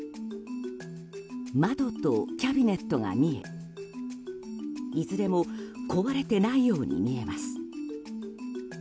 窓とキャビネットが見えいずれも壊れてないように見えます。